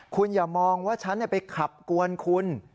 คุณอย่ามองว่าฉันไปขับกวนคุณ